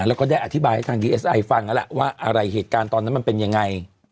แล้วก็ได้อธิบายให้ทางดีเอสไอฟังแล้วล่ะว่าอะไรเหตุการณ์ตอนนั้นมันเป็นยังไง